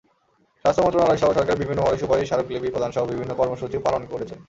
স্বাস্থ্য মন্ত্রণালয়সহ সরকারের বিভিন্ন মহলে সুপারিশ, স্মারকলিপি প্রদানসহ বিভিন্ন কর্মসূচিও পালন করেছে।